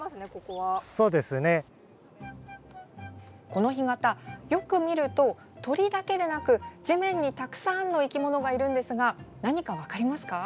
この干潟、よく見ると鳥だけでなく地面にたくさんの生き物がいるんですが何か分かりますか？